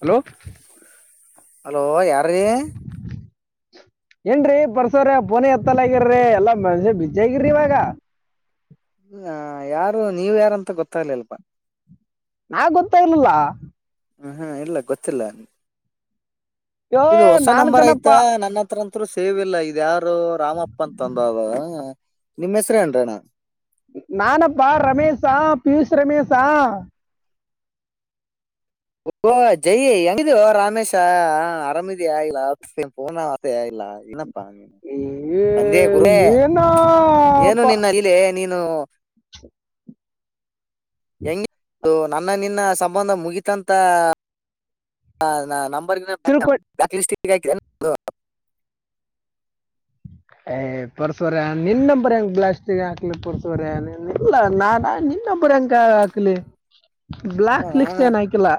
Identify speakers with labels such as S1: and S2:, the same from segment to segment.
S1: Hello
S2: hello ಯಾರ ರಿ
S1: [inaudible] ಏನ್ರೀ ಬರ್ಸೋ್ರ ಪೋನಿ ಎತ್ತಲ ಆಗಿರ್ರಿ ಎಲ್ಲಾ ಮನ್ಷ್ಯ ಬಜ ಆಗಿರಿ ಇವಾಗ
S2: ಯಾರು ನೀವ ಯಾರುಂತ ಗೊತ್ತಾಗಲಿ ಅಲ್ವಾ
S1: ನಾ ಗೊತ್ತ ಇಲಿಲ್ಲ
S2: ಹ ಹಾ ಇಲ್ಲ ಗೊತ್ತಿಲ್ಲ
S1: ಯೋ
S2: ಇದು ಹೊಸ
S1: ನಾನ್
S2: ನಂಬರ್
S1: ಕಣಪ್ಪ
S2: ಆಯ್ತಾ ನನ್ನ ಹತ್ರತ್ರು ಸೇವಿಲ್ಲ ಇದ ಯಾರು ರಾಮಪ್ಪ ಅಂತಂದದ ನಿಮ್ಮ್ ಹೆಸ್ರೇ ಅನ್ರಣ್ಣ
S1: ನಾನಪ್ಪಾ ರಮೇಶಾ ಪಿಯೂಷ್ ರಮೇಶೇಶಾ
S2: ಓ ಜೈ ಹೆಂಗಿದೀಯೋ ರಾಮೇಶ ಆರಾಮಿದಿಯಾ ಇಲ್ಲ ಫೋನ ಪೂನಾ ಅವತ್ತೆ ಲ್ಲ ಏನಪ್ಪಾ ನೀ ತಂದೆ
S1: ಏ-
S2: ಗುರುವೇ ಏನು
S1: ಏನಪ್ಪ
S2: ನಿನ್ನ ಲೀಲೆ ನೀನು
S1: [inaudible]
S2: ಹೆಂಗ ಅದು ನನ್ನ ನಿನ್ನ ಸಂಬಂಧ ಮುಗಿತಂತ ಹ ನಮ್ಮ
S1: ತಿಳ್ಕೊಂಡ್
S2: ಬ್ಲಾಕ್ ಲಿಸ್ಟ್ ಗೆ ಹಾಕಿದಿಯಾ ಏನು ನಂದು
S1: [inaudible] ಹೇ ಪರುಶುರಾ ನಿನ್ನ ನಂಬರ್ ಹೆಂಗ್ ಬ್ಲಾಸ್ಟ ಹಾಕ್ಲಿ ಪರುಶುರಾ ಇಲ್ಲ ನಾನಾ ನಿನ್ನ ನಂಬರ್ ನ ಯಾಕೆ ಹಾಕ್ಲಿ ಬ್ಲಾಕ್ ಲಿಸ್ಟ್
S2: ನಾನ
S1: ಏನ್ ಹಾಕಿಲ್ಲ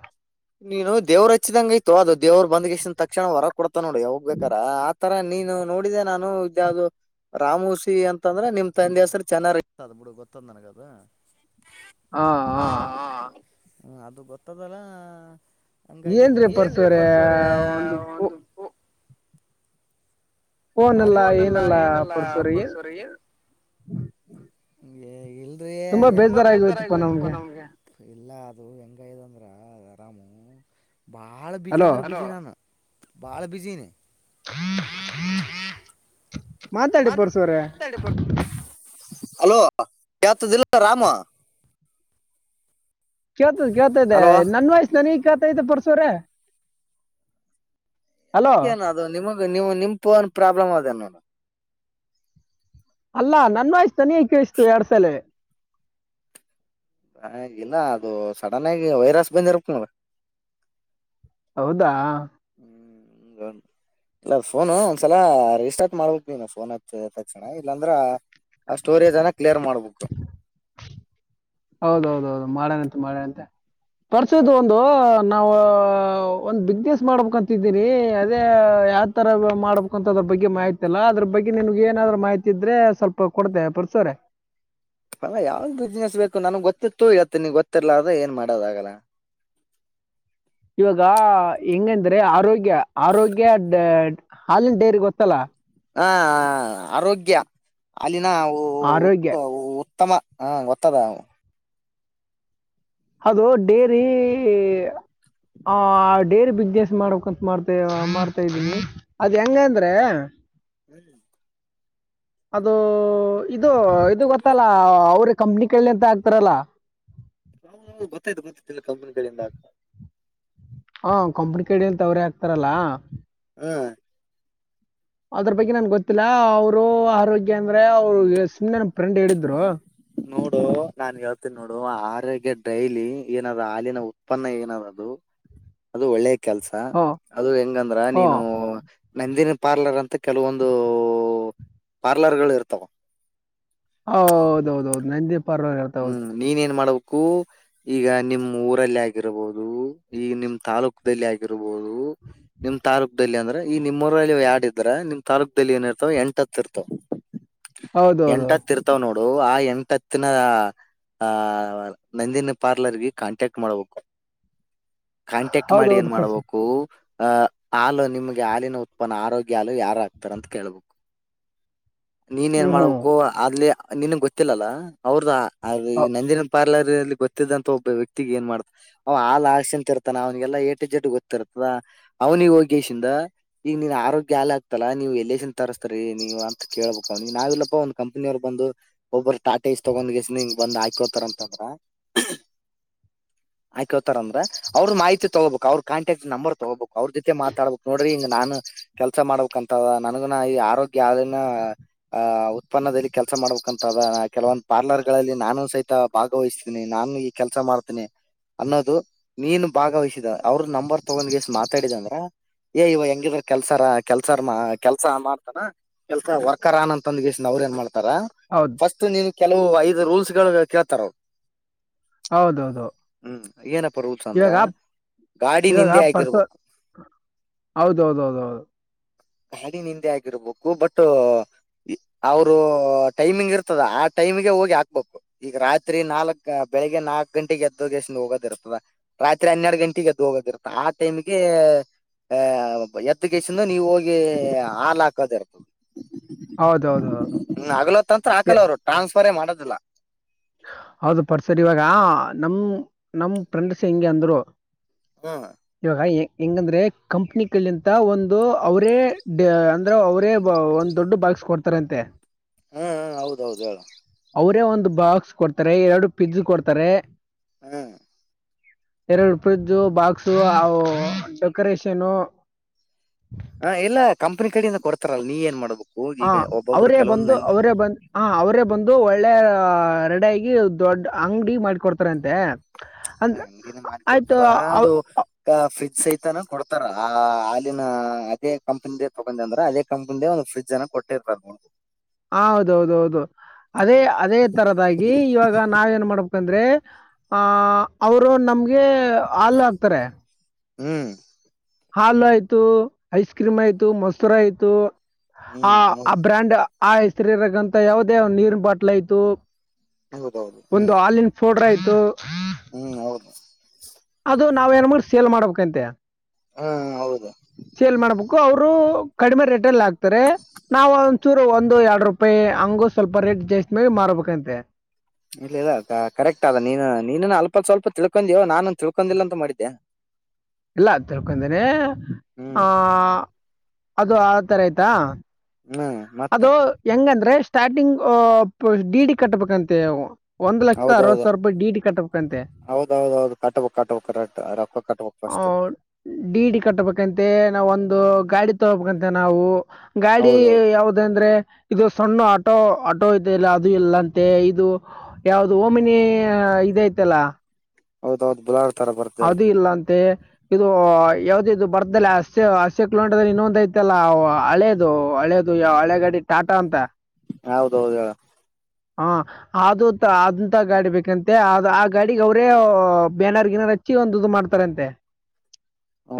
S2: ನೀನು ದೇವ್ರರು ಹಚ್ಚಿದಂಗ ಆಯ್ತು ಅದು ದೇವ್ ಬಂದ್ಸ್ ತಕ್ಷಣ ಹೊರ ಕೊಡ್ತ ನೋಡಿ ಹೋಗ್ ಬೇಕಾರ ಆತರ ನೀನು ನೋಡಿದೆೆ ನಾನು ಇದ್ದದ್ದು ರಾಮು ಸಿ ಅಂತಂದ್ರೆ ನಿಮ್ ತಂದೆ ಹೆಸ್ರ ಚೆನ್ನ ಬಿ ಗೊತ್ತು ನನ್ನಗ ಅದು
S1: ಹಾ ಹಾ
S2: ಹ್ಮ ಅದು ಗೊತ್ತದಲ್ಲ ಹಂಗಾಗಿ
S1: ಏನ್ರಿ
S2: ಏನ್ರೀ
S1: ಪರ್ಸೋರೆ
S2: ಪರುಶು ಅವ್ರೆ ಒಂದು ಫೋನ್
S1: ಫೋನ್ ಎಲ್ಲಾ
S2: ಎಲ್ಲ
S1: ಏನೆಲ್ಲಾ
S2: ಏನಲ್ಲ
S1: ಪರುಶು ಅವ್ರೆ
S2: ಇಲ್ದ ತುಂಬಾ ಬೇಜ್ದಾರ ಆಯ್ತಪ್ಪಾ ನಮ್ಗೆ ಇಲ್ಲ ಅದು [unintelligible] ಬಾಳ ಬಿಜಿ ಅಂದ್ರ ಹಲೋ ಬ್ಯುಸಿ ನಾನು ಬಾಳ ಬ್ಯುಸಿ
S1: ಮಾತಾಡಿ ಪರಶು ಅವ್ರೆ
S2: ಮಾತಾಡಿ ಹಲೋ ಕೇಳ್ತಾದಿಲ್ಲ ರಾಮು
S1: ಕೇಳ್ತದ ಕೇಳ್ತ್ದ
S2: ಹಲೋ
S1: ನನ್ ವಯಸ್ಸ ನನಗ್ ಕೇಳ್ತಾತದ್ದೇ ಪರಶು ಅವ್ರೆ
S2: ಯಾಕೆನ ಅದು ನಿಮಗ್ ನೀವು ನಿಮ ಫೋನ್ ಪ್ರಾಬ್ಲಮ್ ಅದೇನನು
S1: ಅಲ್ಲಾ ನನ್ನ ವಾಯ್ಸ್ ನನಗೆ ಕೇಳಿಸ್ತಾದ ಎರಡು ಸಲಿ
S2: ಹಾಗಿಲ್ಲ ಅದು ಸಡನ್ ಆಗಿ ವೈರಸ್ ಬಂದಿರಬೇಕು ನೋಡು
S1: ಹೌದಾ
S2: ಹ್ಮ್ ಇಲ್ಲ ಫೋನು ಒಂದ್ಸಲ ರಿಸ್ಟಾರ್ಟ್ ಮಾಡ್ಬಕ್ ನೀ ಫೋನ್ ಆಪ್ ತಕ್ಷಣ ಇಲ್ಲಾಂದ್ರ ಆ ಸ್ಟೋರೇಜ್ ಅನ್ನ ಕ್ಲಿಯರ್ ಮಾಡ್ಬೇಕು
S1: ಹೌದೌದೌದು ಮಾಡನಂತೆ ಮಾಡನಂತೆ ಪರಶು
S2: ಹೌದಾ.
S1: ಇದು ಒಂದು ನಾವು ಒಂದ್ ಬಿಸಿನೆಸ್ ಮಾಡ್ಬೇಕಂತಿದ್ದೀನಿ ಅದೇ ಯಾವ ತರ ಮಾಡ್ಬೇಕಂತ ಬಗ್ಗೆ ಮಾಹಿತಿ ಅಲ್ಲ ಅದ್ರ ಬಗ್ಗೆ ನಿನ್ಗೆ ಏನಾದ್ರೂ ಮಾಹಿತಿ ಇದ್ರೆ ಸ್ವಲ್ಪ ಕೊಡ್ತೆೇವೆ ಪರಶು ಅವ್ರೆ
S2: ಅಲ್ಲ ಯಾವ್ದ್ ಬಿಸ್ನೆಸ್ ಬೇಕು ನನಗ್ ಗೊತ್ತಿತ್ತು ಹೇಳಿತೀನಿ ಗೊತ್ತಿರ್ಲ ಆದ್ರೆ ಏನ್ ಮಾಡೋದಾಗಲ್ಲ
S1: ಇವಾಗ ಹೆಂಗಂದ್ರೆ ಆರೋಗ್ಯ ಆರೋಗ್ಯ ಹಾಲಿನ ಡೇರಿ ಗೊತ್ತಲ್ಲಾ
S2: ಹ ಆರೋಗ್ಯ ಹಾಲಿನ
S1: ಆರೋಗ್ಯ
S2: ಉತ್ಪ ಉತ್ತಮ ಹಾ ಗೊತ್ತದ
S1: ಅದು ಡೇರಿ ಆ ಡೇರಿ ಬಿಸ್ನೆಸ್ ಮಾಡ್ಕ್ಂತ ಮಾಡ್ದ್ ಮಾಡ್ತಾದೀನಿ ಅದ್ ಹೆಂಗಂದ್ರೇ.
S2: ಹ್ಮ್
S1: ಅದು ಇದು ಇದು ಗೊತ್ತಲ್ಲ ಅವ್ರು ಕಂಪ್ನಿ. ಕಳ್ಳಿ ಅಂತ ಆಗ್ತಾರಲ್ಲ
S2: ಹ ಗೊತ್ತಾಯ್ತು ಗೊತ್ತತ್ತುಲ್ಲ ಕಂಪನಿಗಳಿಂದ
S1: ಹಾ ಕಂಪನಿಕಡೆ ಯಿಂದ ಅವ್ರೆ ಹಾಕ್ತಾರಲ್ಲಾ
S2: ಹ್ಮ್
S1: ಅದ್ರ ಬಗ್ಗೆ ನನ್ ಗೊತ್ತಿಲ್ಲ ಅವರು ಆರೋಗ್ಯ ಅಂದ್ರೆ ಅವರು ಸುಮ್ನೆನ್ನ ಫ್ರೆಂಡ್ ಹೇಳಿದ್ರು [inaudible]
S2: ನೋಡು ನಾನ್ ಹೇಳ್ತೀನಿ ನೋಡು ಆರೋಗ್ಯ ಡೈಲಿ ಏನಾದ ಹಾಲಿನ ಉತ್ಪನ್ನ ಏನದು ಅದು ಒಳ್ಳೆ ಕೆಲ್ಸ
S1: ಹ್ಞೂ
S2: ಅದು ಹೆಂಗಂದ್ರ
S1: ಹ್ಞೂ
S2: ನೀನು ನಂದಿನಿ ಪಾರ್ಲರ್ ಅಂತ ಕೆಲವೊಂದು ಪಾರ್ಲರ್ಗಳು ಇರ್ತಾವ
S1: ಹೌದೌದೌದು ನಂದಿ ಪಾರ್ಲರ್ ಅಂತ ಹೌದು
S2: ಹ್ಮ್ ನೀನ್ ಏನ್ ಮಾಡಬ [unintelligible] ಕು ಈಗ ನಿಮ್ಮ್ ಊರಲ್ಲಿ ಆಗಿರಬಹುದು ಈ ನಿಮ್ ತಾಲ್ಲೊಕ್ದಲ್ಲಿ ಆಗಿರಬಹುದು. [unintelligible] ಬಹದು ನಿಮ್ ತಾಲೂಕ್ದಲ್ಲಿ ಅಂದ್ರೆ ಈ ನಿಮ್ ಊರಲ್ಲಿ ಯರಡ್ ಇದ್ರ ನಿಮ್ ತಾಲೂಕ್ದಲ್ಲಿ ಏನ ಇರ್ತಾವ ಎಂಟತ್ ಇರ್ತಾವ.
S1: ಹೌದೌದು
S2: ಎಂಟ ಹತ್ತ ಇರ್ತವ್ ನೋಡು ಆ ಎಂಟ್ ಹತ್ತನ. ಆ ನಂದಿನ ಪಾರ್ಲರ್ಗೆ ಕಾಂಟ್ಯಾಕ್ಟ್ ಮಾಡ್ಬೇಕು. ಕಾಂಟ್ಯಾಕ್ಟ್ ಮಾಡಿ
S1: ಹೌದೌದು
S2: ಏನ್
S1: ಪರಿಚಯ
S2: ಮಾಡ್ಬೇಕು. ಅಹ ಹಾಲು ನಿಮ್ಗೆ ಹಾಲಿನ ಉತ್ಪನ್ನ ಆರೋಗ್ಯ ಹಾಲು ಯಾರಾಗ್ತಾರ ಅಂತ ಕೇಳ್ಬೇಕು. ನೀನ್
S1: ಹ್ಞೂ
S2: ಏನ್
S1: ಹ್ಞೂ
S2: ಮಾಡ್ಬೇಕು ಅಲ್ಲಿ ನಿನ್ಗ್ ಗೊತ್ತಿಲ್ಲಲ್ಲ ಅವ್ರದ ಅಲ್ಲಿ
S1: ಹೌ-
S2: ನಂದಿನಿ ಪಾರ್ಲರ್. [unintelligible] ಗೊತ್ತಿದ್ದಂತ ಒಬ್ಬ ವ್ಯಕ್ತಿಗೆ ಎನ್ ಮಾಡತ ಅವ ಹಾಲ್ ಹಾಕಿಸ್ಕೊಂತಿರ್ತಾರಾ ಅವನ್ಗೆಲ್ಲ ಎ ಟು ಝೆಡ್ ಗೊತ್ತಿರ್ತದ. ಅವನಿಗ್ ಹೋಗಿ ಶಿಂದ ಈಗ ನೀನ್ ಆರೋಗ್ಯ ಹಾಲ್ ಆಗ್ತಲ್ಲಾ ನೀವು ಎಲ್ಲಸಿಂದ್ ತರ್ಸ್ತರಿ ನೀವ ಅಂತ ಕೇಳ [unintelligible] ಹ ನಾವಿಲ್ಲಪ್ಪ ಒಂದ್ ಕಂಪನಿ ಅವ್ರ್ ಬಂದು ಒಬ್ಬರು ಟಾ ಟ ಎಸ್ ತಗೊಂಡ ಬಂದ್ ಹಾಕ್ ಹೋಯ್ತರಂತಂದ್ರ.
S1: ಆ
S2: ಹಾಕ್ ಹೊಯ್ತರಂದ್ರೆ ಅವ್ರ ಮಾಹಿತಿ ತಗೋಬೇಕು ಅವ್ರ ಕಾಂಟಕ್ಟ್ ನಂಬರ್ ತಗೋಬೇಕು ಅವ್ರ್ ಜೊತೆ ಮಾತಾಡ್ಬೇಕ್ ನೋಡ್ರಿ ಹಿಂಗ್ ನಾನು. ಕೆಲ್ಸ ಮಾಡ್ಬೇಕಂತದ ನನ್ಗೊನು ಈ ಆರೋಗ್ಯ ಅನ್ನ ಆಹ ಉತ್ಪನ್ನದಲ್ಲಿ ಕೆಲಸ ಮಾಡ್ಬೇಕಂತ ಅದ ಕೆಲವೊಂದ್ ಪಾರ್ಲರ್ಗಳಲ್ಲಿ. ನಾನು ಸಹಿತ ಭಾಗವಹಿಸತೀನಿ ನಾನು ಈ ಕೆಲ್ಸ ಮಾಡ್ತೀನಿ. ಅನ್ನೋದು ನೀನು ಭಾಗವಹಿಸಿದ ಅವ್ರ ನಂಬರ್ ತಗೊಂಡ್ಗೆಷ್ಟ್ ಮಾತಾಡಿದೆಂದ್ರ. ಏ ಇವ ಹೆಂಗಿದ್ರ ಕೆಲ್ಸಾರ ಕೆಲ್ಸಾರ್ ಕೆಲ್ಸ ಮಾಡ್ತಾನ. ಕೆಲ್ಸ ವರ್ಕರ್ ಅನ್ ಅಂತಂದಗಿಸ ಅವ್ರ ಎನ್ ಮಾಡ್ [unintelligible]
S1: ಹೌದು
S2: ಫಸ್ಟ್ ನೀನು ಕೆಲವು ಐದು ರೂಲ್ಸ್ ಗಳು ಕೇಳ್ತಾರ್ವರು.
S1: ಹೌದೌದು
S2: ಹ್ಮ್ ಏನಪ್ಪ ರೂಲ್ಸ್ ಅಂದ್ರ.
S1: ಇವಾಗ
S2: ಗಾಡಿ ನಿಂದೆ ಆಗಿರ್ಬೇಕು.
S1: ಹೌದೌದೌದ ಹೌದು.
S2: ಗಾಡಿನಿಂದೆ ಆಗಿರ್ಬೇಕು ಬಟು. ಅವರು ಟೈಮಿಂಗ್ ಇರ್ತದ ಆ ಟೈಮಿಗೆ ಹೋಗಿ ಹಾಕ್ಬೇಕು ಈಗ ರಾತ್ರಿ ನಾಲ್ಕ ಬೆಳಿಗ್ಗೆ ನಾಕ್ ಗಂಟೆಗೆ ಎದ್ದುಲೊಗೇಶನ್ ಹೋಗೋದಿರ್ತದ ರಾತ್ರಿ ಹನ್ನೆರ ಗಂಟೆಗೆ ಎದ್ದು ಹೋಗೋದಿರ್ತ ಆ ಟೈಮ್ಗೆ [unintelligible] ಆಹ ಎದ್ದ ಗೇಸಿಂದ ನೀವ್ ಹೋಗಿ ಹಾಲು ಹಾಕೋದೇ ಇರ್ತ
S1: ಹೌದೌದು
S2: ಹಗಲೊತಂದ್ರ
S1: ಏ
S2: ಹಾಕಲ್ಲ ಅವರು ಟ್ರಾನ್ಸ್ಫರೇ ಮಾಡದಿಲ್ಲ.
S1: ಹೌದು ಪರ್ಸರ್ ಇವಾಗ ನಮ್ ನಮ್ ಫ್ರೆಂಡ್ಸ್ ಹಿಂಗೆ ಅಂದ್ರು.
S2: ಹ್ಮ್
S1: ಇವಾಗ ಹೆಂಗಂದ್ರೆ ಕಂಪ್ನಿ ಕಲ್ಲಿಂತ ಒಂದು ಅವರೆ ಅಂದ್ರೆ ಅವರೇ ಒಂದ ದೊಡ್ಡ ಬಾ [unintelligible] ಕೊಡ್ತಾರ ಅಂತೆ.
S2: ಹ್ಮ ಹೌದೌದು ಹೇಳು
S1: ಅವರೇ ಒಂದು ಬಾಕ್ಸ್ ಕೊಡ್ತಾರೆ ಎರಡು ಫ್ರಿಡ್ಜ್ ಕೊಡ್ತಾರೆ.
S2: ಹ್ಮ್
S1: ಎರಡು ಫ್ರಿಡ್ಜು ಬಾಕ್ಸು ಅವು ಡೆಕೋರೇಷನ್
S2: ಹಾ ಈಲ್ಲ ಕಂಪನಿ ಕಡೆಯಿಂದ ಕೊಡ್ತಾರಲ್ಲ ನೀ ಏನ್ ಮಾಡ್ಬೇಕು
S1: ಹ
S2: ಈಗ ಒಬ್ಬೊಬ್ರು
S1: ಅವರೇ ಬಂದು
S2: ಕೆಲವೊಂದ್
S1: ಅವರೇ ಬಂದು ಹ ಅವರೇ ಬಂದು ಒಳ್ಳೆ ಅಂಗಾಗಿ ದೊಡ್ಡ ಅಂಗಡಿ ಮಾಡಿಕೊಡ್ತಾರಂತೆ.
S2: ಅಲ್ಲ
S1: ಅಂದ್ರ
S2: ಅಂಗಡಿನೆ
S1: ಆಯ್ತು
S2: ಮಾಡಕೊಡ್ತಾರ ಅದು ಫ್ರಿಡ್ಜ್ ಸೈಹಿತಾನ ಕೊಡ್ತ ತರ ಆ ಹಾಲಿನ ಅದೇ ಕಂಪನಿದೆ ತಗೊಂಡೆ ಅಂದ್ರ ಅದೇ ಕಂಪನಿದ ಒಂದು ಫ್ರಿಜ್ ಅನ್ನ ಕೊಟ್ಟೆ ಕೊಟ್ಟಿರ್ತಾ
S1: ಹ ಹೌದೌದು ಹೌದು ಅದೇ
S2: ಹ್ಮ್
S1: ಅದೇ ತರದಾಗಿ ಇವಾಗ ನಾವ್ ಏನ್ ಮಾಡಬೇ ಯಾಕಂದ್ರೆ ಆ ಅವ್ರು ನಮ್ಗೆ ಹಾಲ್ ಹಾಕ್ತಾರೆ.
S2: ಹ್ಮ್
S1: ಹಾಲು ಆಯ್ತು ಐಸ್ ಕ್ರೀಮ್ ಆಯ್ತು ಮೊಸರ್ ಆಯ್ತು. ಆ
S2: ಹ್ಮ್
S1: ಆ
S2: ಹೌದು
S1: ಬ್ರ್ಯಾಂಡ್ ಆ ಹೆಸರಿರಗಂತ ಯಾವುದೇ ನೀರಿನ ಬಾಟ್ಲು ಆಯ್ತು.
S2: ಹೌದೌದು
S1: ಒಂದು
S2: ಹ್ಮ್
S1: ಹಾಲಿನ್ ಫೋಡ್ರ ಆಯ್ತು
S2: ಹ್ಮ್ ಹೌದು
S1: ಅದು ನಾವ್ ಏನ್ ಮಾಡ ಸೇಲ್ ಮಾಡ್ಬೇಕಂತೆ
S2: ಹ್ಮ್ ಹೌದು
S1: ಸೇಲ್ ಮಾಡ್ಬೇಕು ಅವರು ಕಡಿಮೆ ರೆಟಲ್ ಹಾಕ್ತಾರೆ ನಾವು ವಚ್ಚೂರು ಒಂದು ಎರಡು ರೂಪಾಯಿ ಹಂಗು ಸ್ವಲ್ಪ ರೇಟ್ ಜಾಸ್ತಿ ಮಾಡಿ ಮಾರ್ಬೇಕಂತೆ
S2: ಇಲ್ಲ ಇಲ್ಲ ಕರೆಕ್ಟ್ ಅದ ನೀನು ನೀನು ಅಲ್ಪ ಸ್ವಲ್ಪ ತಿಳ್ಕೊಂಡೀವ ನಾನನ್ ತಿಳ್ಕೊಂಡಿಲ್ಲ ಅಂತ ಮಾಡಿದ್ದೆ
S1: ಇಲ್ಲ ತಿಳ್ಕಡೀನಿ
S2: ಹ್ಮ್
S1: ಅದು ಆ ತರ ಆಯ್ತಾ
S2: ಹ್ಮ್ ಮತ್ತ
S1: ಅದು ಹೆಂಗಂದ್ರೆ ಸ್ಟಾರ್ಟಿಂಗ್ ಅ ಡಿ ಡಿ ಕಟ್ಬೇಕಂತೆ ಅವ ಒಂದು ಲಕ್ಷದ ಅರವತ್ತು
S2: ಹೌದೌದು
S1: ಸಾವಿರ ರೂಪಾಯಿ ಡಿ ಡಿ ಕಟಬೇಕ್ಕಂತೆ
S2: ಹೌದೌದೌದು ಕಟ್ಬೇಕಕ್ ಕಟ್ಬಕ್ ಕರೆಕ್ಟ್ ರೊಕ್ಕ ಕಟ್ಬಕ್
S1: ಹ
S2: ಫಸ್ಟ್
S1: ಡಿ ಡಿ ಕಟ್ಟಬೇಕಂತೆ ನಾವು ಒಂದು ಗಾಡಿ ತಗೋಬೇಕಂತೆ ನಾವು ಗಾಡಿ
S2: ಹೌದೌದು
S1: ಯಾವ ಇದು ಸಣ್ಣ ಆಟೋ ಆಟೋ ಇದೆ ಇಲ್ಲ ಅದು ಇಲ್ಲಂತೆ ಇದು ಯಾವ್ದೋ ಓಮಿನಿ ಇದಯ್ತಲ್ಲ
S2: ಹೌದೌಹೌದು ಬಲ
S1: ಅದು ಇಲ್ಲ ಅಂತೆ ಇದು ಯಾವ್ದ ಇದು ಬರ್ದ ಹಸೆ ಹಸ್ಯ ಕಂಡದಲ್ಲಿ ಇನ್ನೊಂದ ಐತಲ್ಲ ಹಳೆದು ಹಳೇದು ಯಾವ ಹಳೆಗಾಡಿ ಟಾಟಾ ಅಂತ
S2: ಹೌದೌದು ಹೇಳ
S1: ಹಾ ಅದು ಅದುಂತ ಗಾಡಿ ಬೇಕಂತೆ ಅದು ಆ ಗಾಡಿಗೆ ಅವರೇ ಬ್ಯಾನಾರ್ ಗಿನರ್ ಹ ಹಚ್ಚಿರ ಒಂದು ಇದು ಮಾಡ್ತಾರ ಅಂತೆ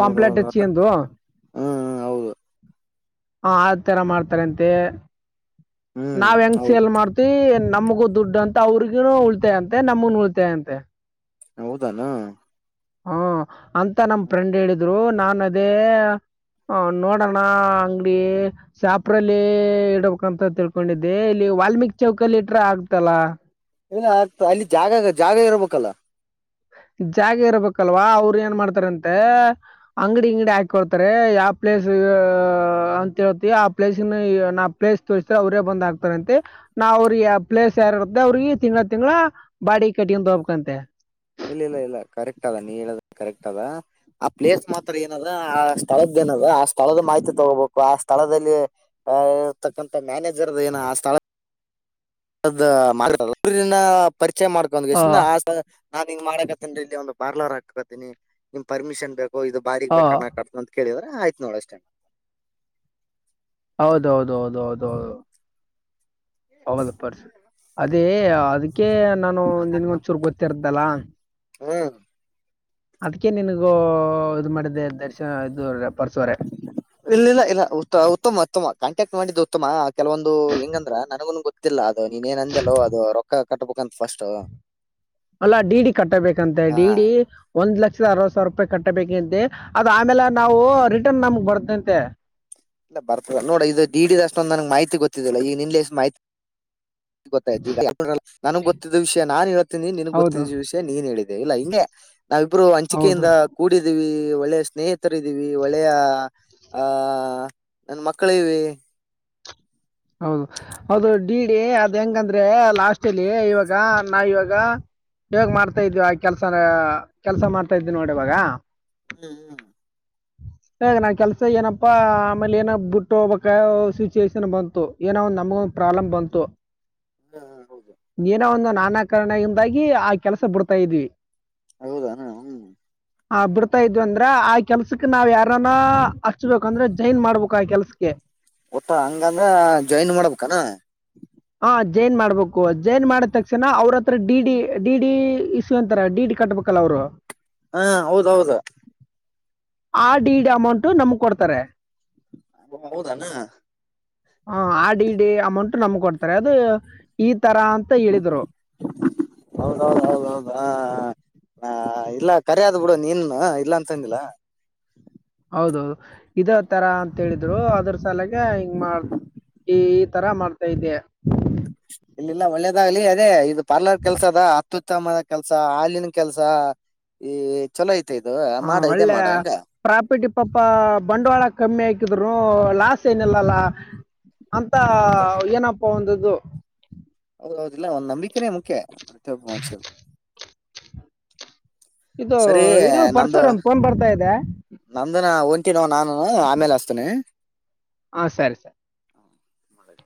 S1: ಪಂಪ್ಲೆಟ್
S2: ಮತ್ತ
S1: ಹಚ್ಚಿಗೆಂದು ಹ
S2: ಹ್ಮ್ ಹೌದು
S1: ಆ ತರ ಮಾಡ್ತಾರಂತೆ
S2: ಹ್ಮ್
S1: ನಾವು ಹೆಂಗ್
S2: ಹೌದ್
S1: ಸೇಲ್ ಮಾಡ್ತಿವಿ ನಮಗೂ ದುಡ್ಡು ಅಂತ ಅವ್ರಿಗನು ಉಳಿತಾಯಂತೆ ನಮಗ ಉಳಿತಾಯಂತೆ
S2: ಹೌದಾನ
S1: ಹ್ಮ ಅಂತ ನಮ
S2: ಹ್ಮ್.
S1: ಫ್ರೆಂಡ್ ಹೇಳಿದ್ರು ನಾನ್ ಅದೇ ಹ ನೋಡೋಣ ಅಂಗಡಿ ಶ್ಯಾಪ್ರಲ್ಲಿ ಇಡ್ಬೇಕಂತ ತಿಳ್ಕೊಂಡಿದ್ದೆ ಇಲ್ಲಿ ವಾಲ್ಮೀಕ ಚೌಕಲ್ ಇಟ್ರ ಆಗ್ತಲ್ಲಾ
S2: ಏ ಆಗ್ತಾ ಅಲ್ಲಿ ಜಾಗ ಜಾಗ ಇರ್ಬೇಕಲ್ಲ.
S1: ಜಾಗ ಇರ್ಬೇಕಲ್ವಾ ಅವರು ಏನ್ ಮಾಡ್ತಾರಂತೆ ಅಂಗಡಿ ಅಂಗಡಿ ಹಾಕೊಡ್ತಾರೆ ಯಾವ ಪ್ಲೇ ಪ್ಲೇಸ್ ಅಂತ ಹೇಳ್ತವಿ ಆ ಪ್ಲೇಸ್ ನಾ ಪ್ಲೇಸ್ ತೋರಿಸ್ರೆ ಅವರೇ ಬಂದ್ ಹಾಕ್ತಾರಂತೆ. ನಾವ ಅವ್ರಿಗೆ ಪ್ಲೇಸ್ ಯಾರ ಇರ್ದ ಅವ್ರಿಗೆ ತಿಂಗಳ ತಿಂಗಳ ಬಾಡಿ ಕಟಿಂಗ್ ಹೋಬಕಂತೆ
S2: ಇಲ್ಲ ಇಲ್ಲ ಇಲ್ಲ ಕರೆಕ್ಟ್ ಅದ ನೀ ಹೇಳ ಕರೆಕ್ಟ್ ಅದ ಆ ಪ್ಲೇಸ್ ಮಾತ್ರ ಏನಾದ ಆ ಸ್ಥಳದ ದ ಆ ಸ್ಥಳದ ಮಾಹಿತಿ ತಗೋಬೇಕು ಆ ಸ್ಥಳದಲ್ಲಿ ಇರ್ತಕ್ಕಂತ ಮ್ಯಾನೇಜರ್ದ ಏನ ಆ ಸ್ಥಳ
S1: ಆ
S2: ದನ ಪರಿಚಯ ಮಾಡ್ಕೊಂದ್
S1: ಹ
S2: ನಾ ಹಿಂಗ ಮಾಡಕತ್ತೇನ ರೀ ಇಲ್ಲಿ ಒಂದು ಪಾರ್ಲರ್ ಹಾಕ ಕತ್ತೀನಿ ನಿಮ್ ಪರ್ಮಿಷನ್ ಬೇಕ ಓ ಇದು ಬಾರಿಗ್
S1: ಹ
S2: ಬೇಕಾರ್ ನ ಕಟ್ತ ಅಂತ ಕೇಳಿದ್ರ ಆಯ್ತ ನೋಡ ಅಷ್ಟೇ
S1: ಹೌದೌದ ಹೌದೌದೌದು ಹೌದ ಪರ್ಸನ್ ಅದೇ ಅದಕ್ಕೆ ಅಕೆ ನಾನು ನಿನ್ಗೊಂಚೂರ್ ಗೊತ್ತಿರ್ದಲ್ಲ
S2: ಹ್ಮ್
S1: ಅದ್ಕ ನಿನಗೂ ಇದು ಮಾಡಿದ್ದೆ ದರ್ಶನ ಇದು ರ
S2: ಇಲ್ಲ ಇಲ್ಲ ಇಲ್ಲ ಉ ಉತ್ತಮ ಉತ್ತಮ ಕಾಂಟ್ಯಾಕ್ಟ್ ಮಾಡಿದ್ದು ಉತ್ತಮ ಕೆಲವೊಂದು ಹೆಂಗಂದ್ರ ನನಗುನು ಗೊತ್ತಿಲ್ಲ ಅದು ನೀನನ್ ಅಂದೆಲ್ಲೋ ಅದು ರೊಕ್ಕ ಕಟ್ಬೇಕಂತತ್ ಫಸ್ಟ್
S1: ಅಲ್ಲ ಡಿ ಡಿ ಕಟ್ಟಬೇಕಂತೆ
S2: ಹಾ
S1: ಡಿ ಡಿ ಒಂದ್ ಲಕ್ಷ ಅರ್ವತ್ತು ಸಾವಿರ ರೂಪಾಯಿ ಕಟ್ಟಬೇಕಂತ ಅದ ಆಮೇಲೆ ನಾವು ರಿಟರ್ನ್ ನಮಗ್ ಬರ್ತಂತೆ
S2: ಇಲ್ಲ ಬರ್ತಲ್ಲ ನೋಡ ಇದು ಡಿಡಿ ಅಷ್ಟೊಂದ್ ನಂಗೆ ಮಾಹಿತಿ ಗೊತ್ತಿದಿಲ್ಲ ಈಗ ನಿನ್ ಎಷ್ಟು ಮಾಹಿತಿ ಗೊತ್ತಾಯ್ತ ಈಗ ನನ್ಗ್ ಗೊತ್ತಿದ್ದ ವಿಷಯ ನಾನ್ ಹೇಳ್ತೀನಿ ನಿನ್ಗ್
S1: ಹೌದು
S2: ಗೊತ್ತಿದ್ದ ವಿಷಯ ನೀನ್ ಹೇಳಿ ಇಲ್ಲ ಹಿಂಗೆ ನಾವಿಬ್ರು
S1: ಹೌದು
S2: ಹಂಚಿಕೆಯಿಂದ ಕೂಡಿದೀವಿ ಒಳ್ಳೆಯ ಸ್ನೇಹಿತರ ಇದೀವಿ ಒಳ್ಳೆಯ ಆಹ ನನ್ ಮಕ್ಕಳ ಇದವಿ
S1: ಹೌದು ಅದು ಡಿ ಡಿ ಅದ ಹೆಂಗಂದ್ರೆ ಲಾಸ್ಟ್ಲ್ ಇವಾಗ ನಾ ಇವಾಗ ಹೇಗ ಮಾಡ್ತಾ ಇದ್ವಿ ಆ ಕೆಲ್ಸನ ಕೆಲ್ಸ ಮಾಡ್ತಾ ಇದ್ವಿ ನೋಡಿ ಇವಾಗ
S2: ಹ್ಮ್ ಹ್ಮ್
S1: ಹಗ ನಾ ಕೆಲ್ಸ ಏನಪ್ಪಾ ಆಮೇಲೆ ಏನ ಬಿಟ್ಟು ಹೋಗ್ಬೇಕ ಸಿಚುವೇೇಶನ್ ಬಂತ ಏನೋ ಒ ನಮ್ಗ ಒಂದು ಪ್ರಾಬ್ಲಮ್ ಬಂತು
S2: ಹ್ಮ್ ಹೌದು
S1: ನೀಏನೋ ಒಂದು ನಾನಾಕರಣೆಯಿಂದಾಗಿ ಆ ಕೆಲಸ ಬಿಡ್ತಾ ಇದ್ವಿ
S2: ಹೌದಣ ಹ್
S1: ಆ ಬಿಡ್ತಾ ಇದ್ವಿ ಅಂದ್ರ ಆ ಕೆಲ್ಸಕ್ ನಾವ್ ಯಾರಾನ ಹಚ್ಬೇಕಂದ್ರೆ ಜೈನ್ ಮಾಡ್ಬೇಕು ಆ ಕೆಲ್ಸಕ್ಕೆ
S2: ಟ್ಟ ಹಂಗಂದ್ರ ಜಾಯಿನ್ ಮಾಡ್ಬೇಕಾನ
S1: ಹಾ ಜೈನ್ ಮಾಡ್ಬೇಕು ಜೈನ್ ಮಾಡಿದ ತಕ್ಷಣ ಅವ್ರ ಹತ್ರ ಡಿಡಿ ಡಿಡಿ ಇಸ್ಯೂ ಅಂತರ ಡಿಡಿ ಕಟ್ಬೇಕಲ್ಲ ಅವರು
S2: ಹಾ ಹೌದೌದ
S1: ಆ ಡಿಡ್ ಅಮೌಂಟನಮ್ ಕೊಡ್ತಾರೆ
S2: ಅ ಹೌದಾನ
S1: ಹ ಆ ಡಿ ಡಿ ಅಮೌಂಟ್ ನಮ್ ಕೊಡ್ತಾರೆ ಅದು ಈ ತರಾ ಅಂತ ಹೇಳಿದರು
S2: ಹೌದೌದ ಹ ಹೌದೌದ ಇಲ್ಲ ಕರಿದ್ ಬಿಡು ನೀನ್ ಇಲ್ಲ ಅಂತಂದಿಲ್ಲ
S1: ಹೌದೌದು ಇದೇ ತರ ಅಂತ ಹೇಳಿದ್ರು ಅದ್ರ ಸಲಾಗ ಹಿಂಗ ಮಾಡ ಈ ತರ ಮಾಡ್ತಾ ಇದ್ದೆ
S2: ಇಲ್ಲಿಲ್ಲ ಒಳ್ಳೇದಾಗ್ಲಿ ಅದೇ ಇದು ಪಾರ್ಲರ್ ಕೆಲ್ಸ ಅದ ಅತ್ಯುತ್ತಮನ ಕೆಲ್ಸ ಹಾಲಿನ ಕೆಲ್ಸ ಏ ಚಲೋ ಆಯ್ತು
S1: ಹಾ ಒಳ್ಳೆ ಪ್ರಾಪರ್ಟಿ ಪಾಪ ಬಂಡವಾಳ ಕಮ್ಮಿ ಹಾಕಿದ್ರುನು ಲಾಸ್ ಏನಿಲ್ಲಲ್ಲ ಅಂತ
S2: ಹ ಮತ್ತ
S1: ಏನಪ್ಪ ಹಂದದು
S2: ಹೌದೌದಿಲ್ಲ ಒಂದ್ ನಂಬಿಕೆನೇ ಮುಖ್ಯ ಪ್ರತಿಯೊಬ್ಬ ಮನುಷ್ಯ
S1: ಇದು
S2: ಸರಿ
S1: ಇರು
S2: ನಂದು
S1: ಪರ್ಸರ್ ಒಂದು ಫೋನ್ ಬರ್ತಾ ಇದೆ
S2: ನಂದನ ಅಂತ ನೋ ನಾನು ಆಮೇಲೆ ಹಸ್ತೇನೆ
S1: ಹ ಸರಿ ಸರಿ
S2: ಹಾ ಮಾಡಳ